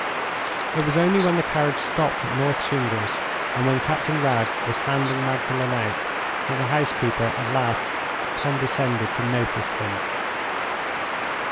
It was only when the carriage stopped at North Shingles, and when Captain Wragge was handing Magdalen out, that the housekeeper at last condescended to notice him.